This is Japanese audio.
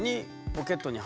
ポケットに？